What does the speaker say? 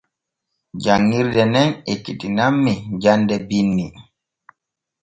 Janŋirde nen ekkitinan men jande binni.